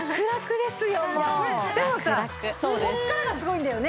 でもさここからがすごいんだよね。